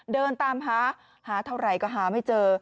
เดินตามหาหาเท่าไหร่ก็หาไม่เจอ